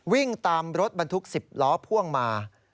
วิ่งตามรถบรรทุก๑๐ล้อพ่วงมา